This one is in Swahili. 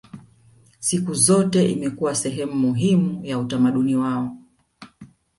Siku zote imekuwa sehemu muhimu ya utamaduni wao